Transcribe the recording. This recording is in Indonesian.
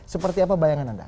seperti apa bayangan anda